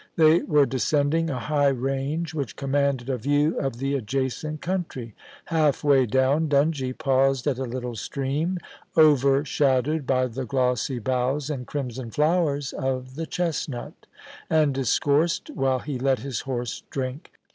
They were descending a high range which commanded a view of the adjacent country. Half way down, Dungie paused at a little stream, overshadowed by the glossy boughs and crimson flowers of the chestnut, and discoursed while he let his horse drink.